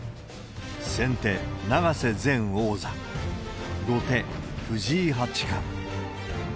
先手、永瀬前王座、後手、藤井八冠。